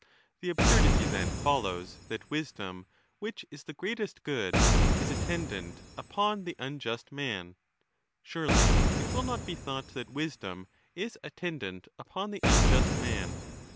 The absurdity then follows that 25 wisdom, which is the greatest good, is attendant upon the unjust man. Surely it will not be thought that wisdom is attendant upon the unjust man.